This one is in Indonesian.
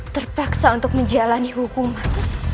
terpaksa untuk menjalani hukuman